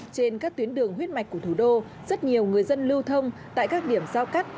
trên các tuyến đường huyết mạch của thủ đô rất nhiều người dân lưu thông tại các điểm giao cắt